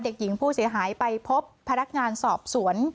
เด็กหญิงผู้เสียหายไปพบพนักงานสอบสวน